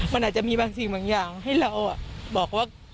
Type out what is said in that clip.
มันอาจจะมีบางสิ่งบางอย่างให้เราบอกว่า